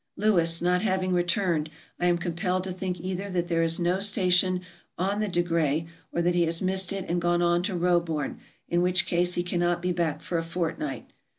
Lewis not having returned, I am compelled to think either that there is no station on the De Grey, or that he has missed it and gone on to Roebourne, in which case he cannot be back for a fortnight.